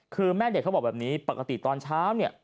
คือแม่เด็กเขาบอกแบบนี้ปกติตอนเช้าเนี่ย